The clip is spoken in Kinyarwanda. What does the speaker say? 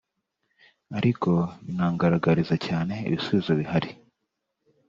ariko banangaragariza cyane ibisubizo bihari